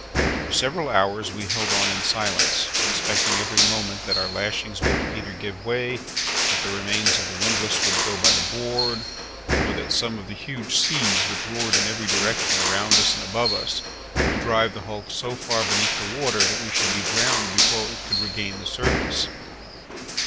For several hours we held on in silence, expecting every moment that our lashings would either give way, that the remains of the windlass would go by the board, or that some of the huge seas, which roared in every direction around us and above us, would drive the hulk so far beneath the water that we should be drowned before it could regain the surface.